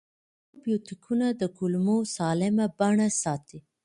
پروبیوتیکونه د کولمو سالمه بڼه ساتي.